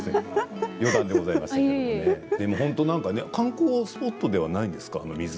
観光スポットではないんですか。